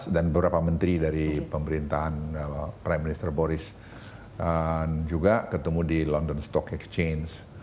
dan beberapa menteri dari pemerintahan prime minister boris juga ketemu di london stock exchange